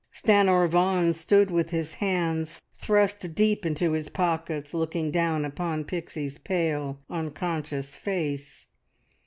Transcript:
Stanor Vaughan stood with his hands thrust deep into his pockets looking down upon Pixie's pale, unconscious face.